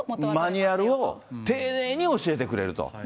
マニュアルを丁寧に教えてくれると。